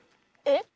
えっ？